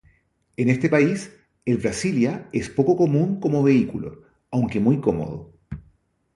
En este país, el Brasilia es poco común como vehículo, aunque muy cómodo.